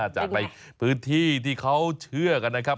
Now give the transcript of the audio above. จากในพื้นที่ที่เขาเชื่อกันนะครับ